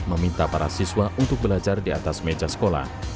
meminta para siswa untuk belajar di atas meja sekolah